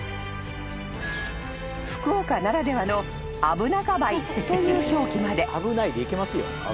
［福岡ならではの「あぶなかばい」という表記まで］